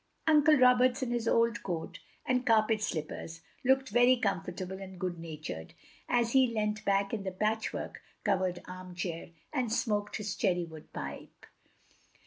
Uncle Roberts in his old coat, and carpet slippers, looked very comfortable and good na tured, as he leant back in the patchwork covered arm chair, and smoked his cherry wood pipe.